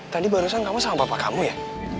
tadi barusan kamu sama bapak kamu ya